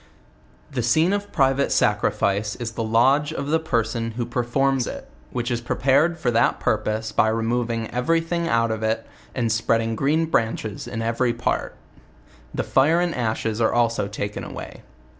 The scene of private sacrifice is the lodge of the person who performs it, which is prepared for that purpose by re moving every thing out of it. and spreading green branches in every part. The fire and ashes are also taken away.